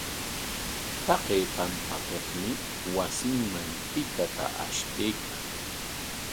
Taqay pampapikmi wasinman tikata ashtaykan.